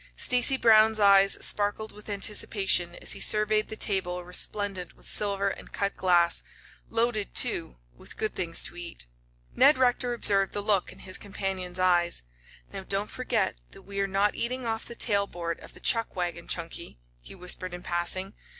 Stacy Brown's eyes sparkled with anticipation as he surveyed the table resplendent with silver and cut glass loaded, too, with good things to eat. Ned Rector observed the look in his companion's eyes. "Now, don't forget that we are not eating off the tail board of the chuck wagon, Chunky," he whispered in passing.